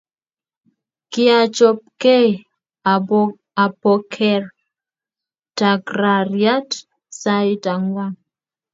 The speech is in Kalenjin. Kiachopkei apoker takrariat sait angwan